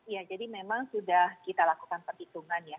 ya jadi memang sudah kita lakukan perhitungan ya